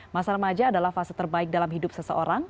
masa remaja adalah fase terbaik dalam hidup seseorang